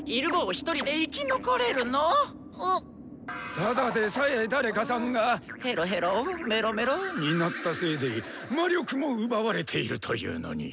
ただでさえ誰かさんがへろへろメロメロになったせいで魔力も奪われているというのに。